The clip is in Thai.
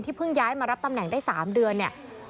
เพิ่งย้ายมารับตำแหน่งได้๓เดือนเนี่ย